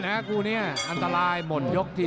คู่นี้อันตรายหมดยกที